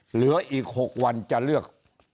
เหลืออีก๖วันจะเลือก